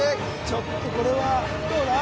ちょっとこれはどうだ？